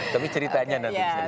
tapi ceritanya nanti bisa disampaikan